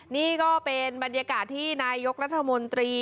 นี่ก็เป็นบรรยากาศที่นายกรัฐมนตรี